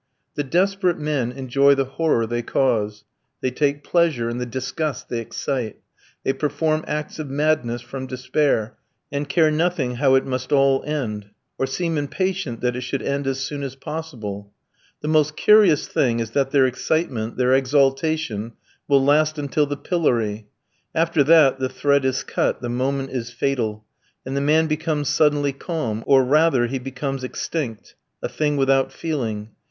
The desperate men enjoy the horror they cause; they take pleasure in the disgust they excite; they perform acts of madness from despair, and care nothing how it must all end, or seem impatient that it should end as soon as possible. The most curious thing is that their excitement, their exaltation, will last until the pillory. After that the thread is cut, the moment is fatal, and the man becomes suddenly calm, or, rather, he becomes extinct, a thing without feeling.